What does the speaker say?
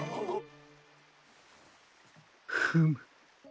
フム。